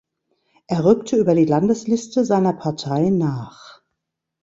Er rückte über die Landesliste seiner Partei nach.